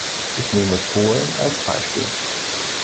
Ich nehme Polen als Beispiel.